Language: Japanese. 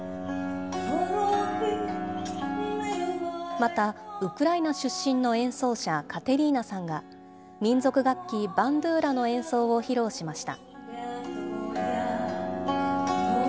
またウクライナ出身の演奏者、カテリーナさんが民俗楽器、バンドゥーラの演奏を披露しました。